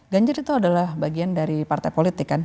ganjar itu adalah bagian dari partai politik kan